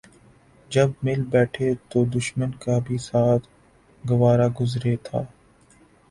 جب مل بیٹھے تو دشمن کا بھی ساتھ گوارا گزرے تھا